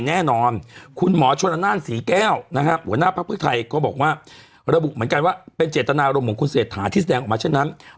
แน่นอนคุณหมอชะนานสี่แก้วหัวหน้าพัฒนาประภูติไทยก็บอกว่าแล้วมเหมือนกันว่าเป็นเจตนารมน์ของคุณเศรษฐาที่แสดงออกมาเช่นนั้น